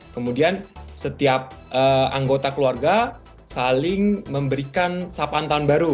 kemudian setiap anggota keluarga saling memberikan sapan tahun baru